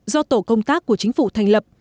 do tổ công tác của chính phủ thành lập